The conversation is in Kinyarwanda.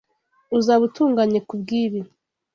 Uzaba utunganye kubwibi.